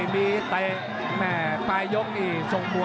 น้ำเงินรอโต